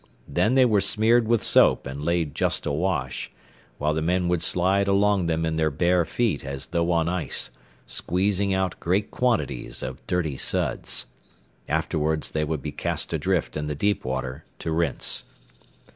Then they were smeared with soap and laid just awash, while the men would slide along them in their bare feet as though on ice, squeezing out great quantities of dirty suds. Afterwards they would be cast adrift in the deep water to rinse.